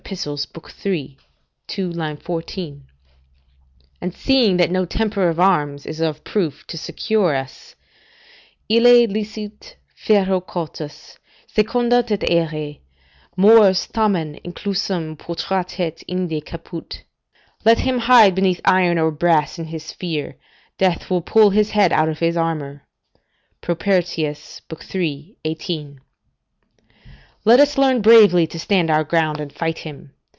iii. 2, 14.] And seeing that no temper of arms is of proof to secure us: "Ille licet ferro cautus, se condat et aere, Mors tamen inclusum protrahet inde caput" ["Let him hide beneath iron or brass in his fear, death will pull his head out of his armour." Propertious iii. 18] let us learn bravely to stand our ground, and fight him.